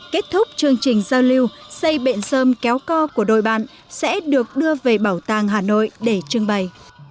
kết thúc chương trình giao lưu dây bện dơm kéo co của đội bạn sẽ được đưa về bảo tàng hà nội để trưng bày